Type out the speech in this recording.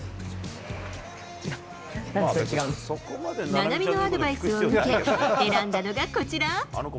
菜波のアドバイスを受け、選んだのがこちら。